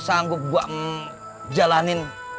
sanggup gue jalanin